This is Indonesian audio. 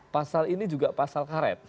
pasal ini juga pasal karet